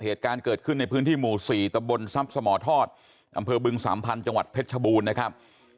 เหตุการณ์เกิดขึ้นในพื้นที่หมู่๔ตะบนทรัพย์สมทอดอำเภอบึงสามพันธุ์จังหวัดเพชรชบูรณ์นะครับ